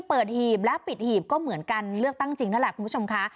หีบและปิดหีบก็เหมือนกันเลือกตั้งจริงนั่นแหละคุณผู้ชมค่ะ